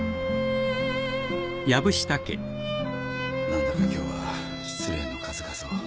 何だか今日は失礼の数々を。